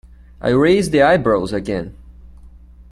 I raised the eyebrows again.